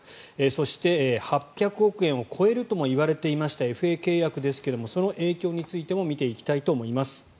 そして、８００億円を超えるともいわれていましたＦＡ契約ですがその影響についても見ていきたいと思います。